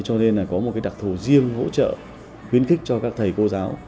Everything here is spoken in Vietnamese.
cho nên là có một đặc thù riêng hỗ trợ khuyến khích cho các thầy cô giáo